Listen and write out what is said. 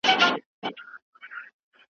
ما یو نوی ډیزاین جوړ کړی دی.